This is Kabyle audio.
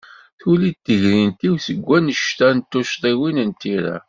Tuli-d tegrint-iw seg wanect-a n tucḍiwin n tira.